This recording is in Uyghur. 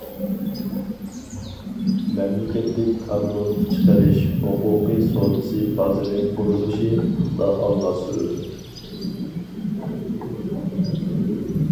مەملىكەتلىك كاربون چىقىرىش ھوقۇقى سودىسى بازىرى قۇرۇلۇشى پۇختا ئالغا سۈرۈلدى.